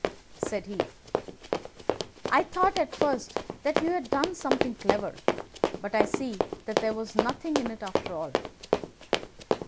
said he. "I thought at first that you had done something clever, but I see that there was nothing in it after all."